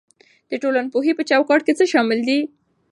د ټولنپوهنې په چوکاټ کې څه شامل دي؟